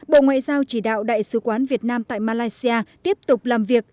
bộ ngoại giao chỉ đạo đại sứ quán việt nam tại malaysia tiếp tục làm việc